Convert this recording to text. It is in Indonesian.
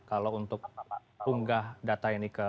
kalau untuk unggah data ini ke